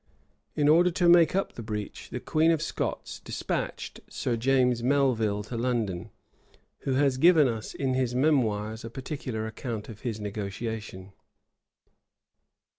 In order to make up the breach, the queen of Scots despatched Sir James Melvil to London; who has given us in his memoirs a particular account of his negotiation.